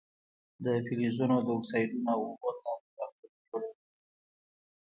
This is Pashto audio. د فلزونو د اکسایدونو او اوبو تعامل القلي جوړوي.